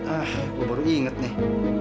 ah gue baru inget nih